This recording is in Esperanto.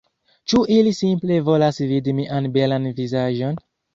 Ĉu ili simple volas vidi mian belan vizaĝon?